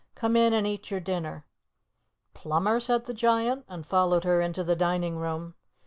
"Come in and eat your dinner." "Plumber?" said the Giant, and followed her into the dining room.